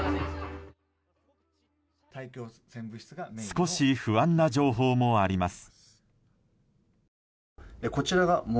少し不安な情報もあります。